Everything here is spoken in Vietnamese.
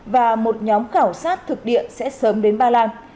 và một nhóm khảo sát thực địa sẽ sớm đến ba lan